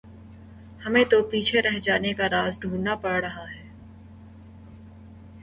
ہمیں تو پیچھے رہ جانے کا راز ڈھونڈنا پڑ رہا ہے۔